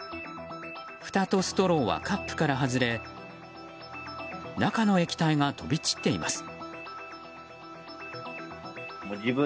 ふたとストローはカップから外れ中の液体が飛び散っています。